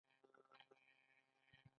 د نوزاد سیند موسمي دی